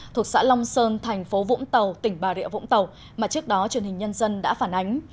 thuộc xã long sơn thành phố vũng tàu tỉnh bà rịa vũng tàu mà trước đó truyền hình nhân dân đã phản ánh